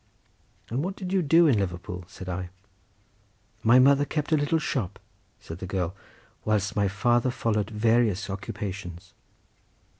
"And what did you do in Liverpool?" said I. "My mother kept a little shop," said the girl, "whilst my father followed various occupations."